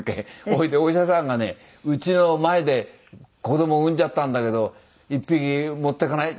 ほいでお医者さんがね「うちの前で子供産んじゃったんだけど１匹持っていかない？」